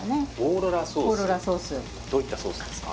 どういったソースですか？